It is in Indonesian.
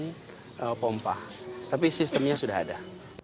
ini pompa tapi sistemnya sudah ada